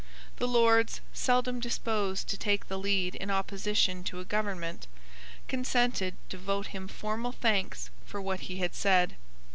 The Lords, seldom disposed to take the lead in opposition to a government, consented to vote him formal thanks for what he had said.